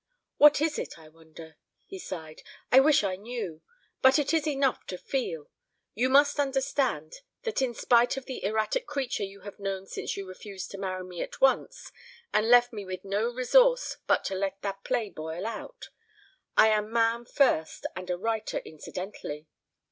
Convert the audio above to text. "What is it, I wonder?" He sighed. "I wish I knew. But it is enough to feel. ... You must understand that in spite of the erratic creature you have known since you refused to marry me at once and left me with no resource but to let that play boil out, I am man first and a writer incidentally.